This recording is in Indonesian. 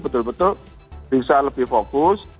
betul betul bisa lebih fokus